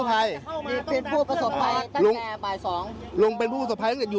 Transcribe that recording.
ต้นเนี้ยเหรอ